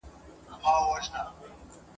آيا تاسو په غونډه کي ګډون درلود؟